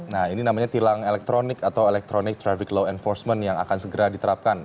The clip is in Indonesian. nah ini namanya tilang elektronik atau electronic traffic law enforcement yang akan segera diterapkan